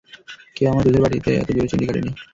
কেউ আমার দুধের বুটিতে এত জোরে চিমটি কাটেনি।